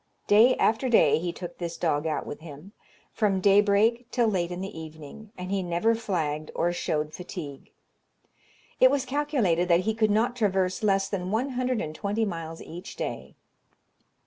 Day after day he took this dog out with him, from day break till late in the evening, and he never flagged or showed fatigue. It was calculated that he could not traverse less than one hundred and twenty miles each day.